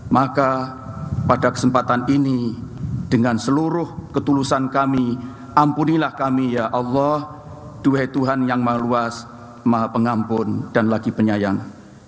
maka pada kesempatan ini dengan seluruh ketulusan kami ampunilah kami ya allah duhai tuhan yang maha luas maha pengampun dan lagi penyayang